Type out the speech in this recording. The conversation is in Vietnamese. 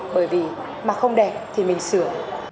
bởi vì mà không đẹp thì mình sửa